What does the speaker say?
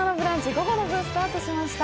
午後の部スタートしました。